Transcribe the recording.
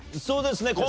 そうですね。